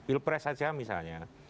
pilpres saja misalnya